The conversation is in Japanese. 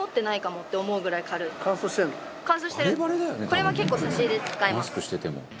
これは結構差し入れで使います。